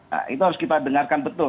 nah itu harus kita dengarkan betul